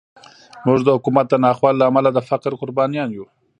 موږ د حکومت د ناخوالو له امله د فقر قربانیان یو.